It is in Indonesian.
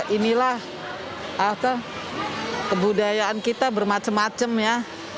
inilah kebudayaan kita bermacam macam ya